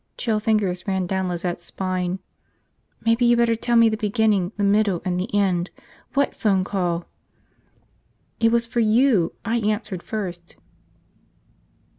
Chill fingers ran down Lizette's spine. "Maybe you'd better tell me the beginning, the middle, and the end. What phone call?" "It was for you. I answered first."